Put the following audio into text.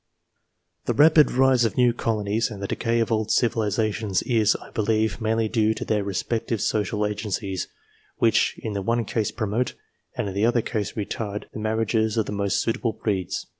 The rapid rise of new colonies and the decay of old civilizations is, I believe, mainly due to their respective social agencies, which in the one case promote, and in the other case retard, the marriages of the most suitable breeds.